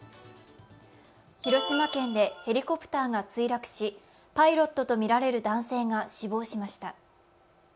広島県でヘリコプターが墜落し、パイロットとみられる男性が死亡しました。